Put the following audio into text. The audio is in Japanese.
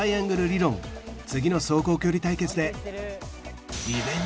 理論次の走行距離対決で